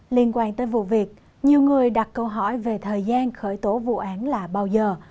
liên quan tới vụ việc nhiều người đặt câu hỏi về thời gian khởi tố vụ án là bao giờ